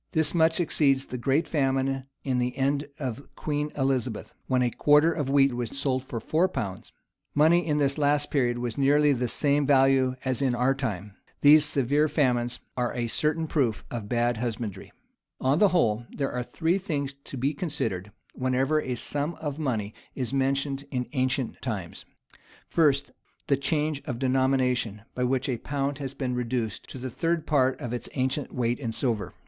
This much exceeds the great famine in the end of Queen Elizabeth, when a quarter of wheat was sold for four pounds. Money in this last period was nearly of the same value as in our time. These severe famines are a certain proof of bad husbandry. [* M. Paris]. [ Fleetwood. p. 83, 94, 96. 98] [ Page 157.] On the whole, there are three things to be considered, wherever a sum of money is mentioned in ancient times. First, the change of denomination, by which a pound has been reduced to the third part of its ancient weight in silver.